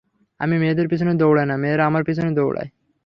আমি মেয়েদের পিছনে দৌড়ায় না মেয়েরা আমার পিছনে দৌড়ায়।